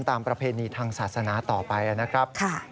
ประเพณีทางศาสนาต่อไปนะครับ